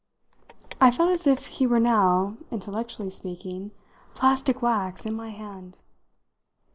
I felt as if he were now, intellectually speaking, plastic wax in my hand.